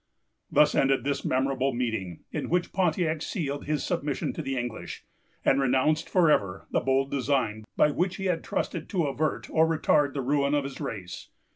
Thus ended this memorable meeting, in which Pontiac sealed his submission to the English, and renounced for ever the bold design by which he had trusted to avert or retard the ruin of his race.